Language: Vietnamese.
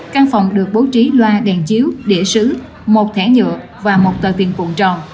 căn phòng được bố trí loa đèn chiếu địa sứ một thẻ nhựa và một tờ tiền cuộn tròn